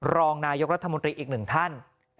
รองนายกรัฐมนตรีอีกหนึ่งท่าน